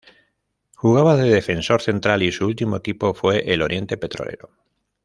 Jugaba de defensor central y su último equipo fue el Oriente Petrolero.